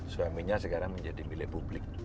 suaminya sekarang menjadi milik publik